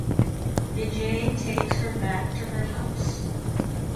Vijay takes her back to her house.